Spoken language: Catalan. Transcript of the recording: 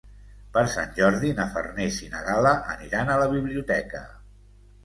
Per Sant Jordi na Farners i na Gal·la aniran a la biblioteca.